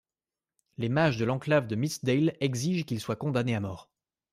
Les mages de l'enclave de Mystdale exigèrent qu’il soit condamné à mort.